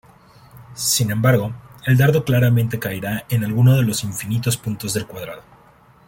Sin embargo, el dardo claramente caerá en alguno de los infinitos puntos del cuadrado.